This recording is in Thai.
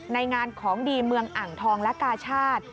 ในงานของดีเมืองอ่างทองและกาชาติ